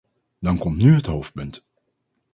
Dan komt nu het hoofdpunt.